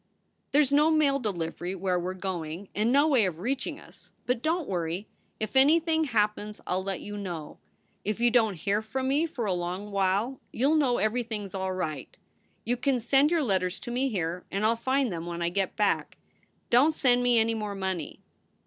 There s no mail delivery where we re going and no way of reach ing us, but don t worry. If anything happens I ll let you know. If you don t hear from me for a long while you ll know everything s all right. You can send your letters to me here and I ll find them when I get back. Don t send me any more money.